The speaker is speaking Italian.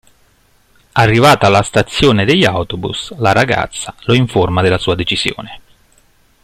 Arrivata alla stazione degli autobus, la ragazza lo informa della sua decisione.